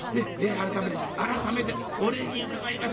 改めて改めてお礼に伺います。